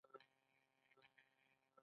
له نظارت څخه مؤثره پایله لاسته راځي.